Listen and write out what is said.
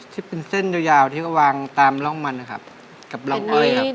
ที่เป็นเส้นยาวที่เขาวางตามร่องมันนะครับกับร่องอ้อยครับ